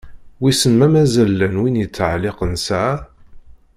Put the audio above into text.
Wissen ma mazal llan wid yettɛelliqen ssaɛa?